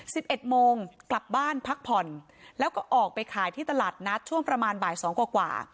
สิบเอ็ดโมงกลับบ้านพักผ่อนแล้วก็ออกไปขายที่ตลาดนัดช่วงประมาณบ่ายสองกว่ากว่า